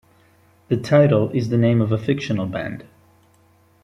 The title is the name of a fictional band.